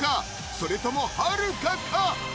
それともはるかか？